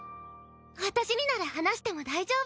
私になら話しても大丈夫。